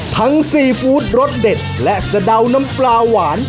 ซีฟู้ดรสเด็ดและสะเดาน้ำปลาหวาน